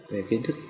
về kiến thức